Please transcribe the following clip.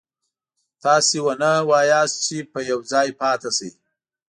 تاسو ونه نه یاست چې په یو ځای پاتې شئ.